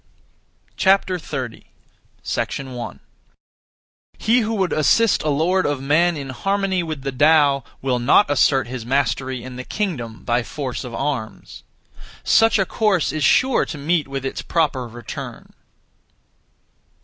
30. 1. He who would assist a lord of men in harmony with the Tao will not assert his mastery in the kingdom by force of arms. Such a course is sure to meet with its proper return.